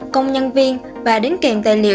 công nhân viên và đứng kèm tài liệu